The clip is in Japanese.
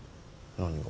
何が？